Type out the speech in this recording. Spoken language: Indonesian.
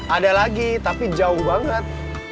ada lagi tapi jauh banget